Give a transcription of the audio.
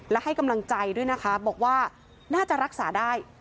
และให้กำลังใจด้วยนะคะบอกว่าน่าจะรักษาได้